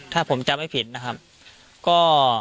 ถ้าผมจำไม่ผิดนะครับก็